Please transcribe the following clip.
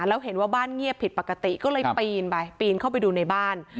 แล้วเห็นว่าบ้านเงียบผิดปกติก็เลยปีนไปปีนเข้าไปดูในบ้าน